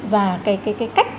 và cái cách